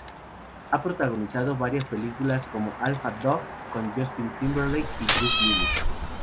Ha protagonizado en varias películas como "Alpha Dog" con Justin Timberlake y Bruce Willis.